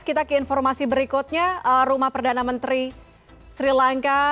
kita ke informasi berikutnya rumah perdana menteri sri lanka